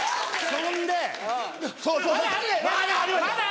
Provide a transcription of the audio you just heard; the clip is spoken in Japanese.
「そんで」。